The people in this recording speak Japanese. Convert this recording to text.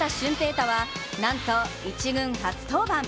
大は、なんと１軍初登板。